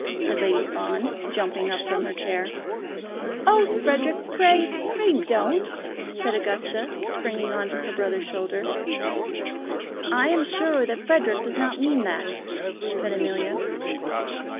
said Lady Fawn, jumping up from her chair. "Oh, Frederic, pray, pray don't!" said Augusta, springing on to her brother's shoulder. "I am sure Frederic does not mean that," said Amelia.